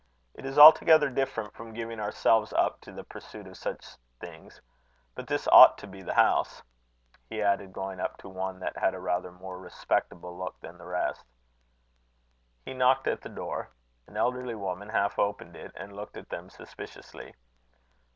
It is altogether different from giving ourselves up to the pursuit of such things. But this ought to be the house," he added, going up to one that had a rather more respectable look than the rest. He knocked at the door. An elderly woman half opened it and looked at them suspiciously.